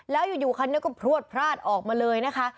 แล้วอยู่คันนี้ก็พลวดพลาดออกมาเลยนะคะ